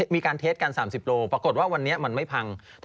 มีการทดสอบการณ์๓๐กิโลภาพปรากฏว่าวันนี้มันไม่พัง